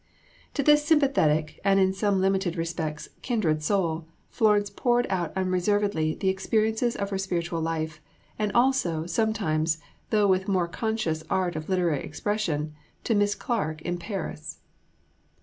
To this sympathetic and (in some limited respects) kindred soul, Florence poured out unreservedly the experiences of her spiritual life; as also, sometimes, though with more conscious art of literary expression, to Miss Clarke in Paris.